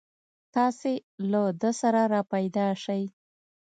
تاسې له ده سره راپیدا شئ.